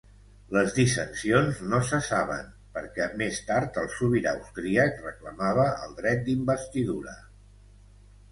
Les dissensions no cessaven, perquè més tard el sobirà austríac reclamava el dret d'investidura.